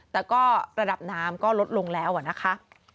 แต่ก็ระดับน้ำก็ลดลงแล้วนะคะ